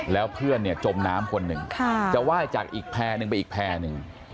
แล้วเพื่อนจมน้ำคนหนึ่งจะว่ายจากอีกแพลนึงไปอีกแพลนึง